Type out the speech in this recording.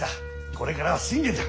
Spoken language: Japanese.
これからは信玄じゃ。